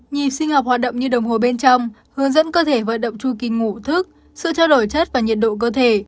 nhiệp sinh học hoạt động như đồng hồ bên trong hướng dẫn cơ thể hoạt động trung kinh ngủ thức sự trao đổi chất và nhiệt độ cơ thể